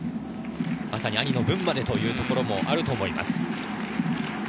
兄の分までという気持ちもあると思います。